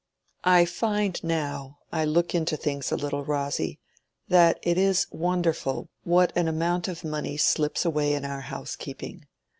"I find, now I look into things a little, Rosy, that it is wonderful what an amount of money slips away in our housekeeping.